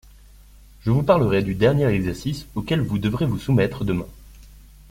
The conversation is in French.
je vous parlerai du dernier exercice auquel vous devrez vous soumettre demain.